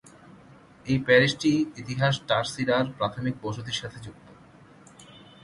এই প্যারিশটির ইতিহাস টারসিরার প্রাথমিক বসতির সাথে যুক্ত।